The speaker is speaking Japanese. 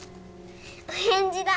お返事だ。